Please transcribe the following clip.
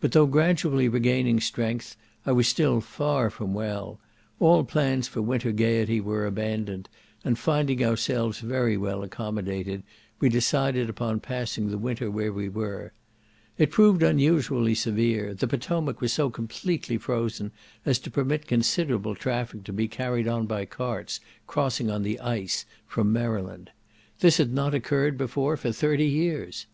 But though gradually regaining strength, I was still far from well; all plans for winter gaiety were abandoned, and finding ourselves very well accommodated, we decided upon passing the winter where we were. It proved unusually severe; the Potomac was so completely frozen as to permit considerable traffic to be carried on by carts, crossing on the ice, from Maryland. This had not occurred before for thirty years.